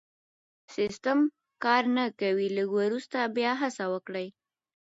سيسټم کار نه کوي لږ وروسته بیا هڅه وکړئ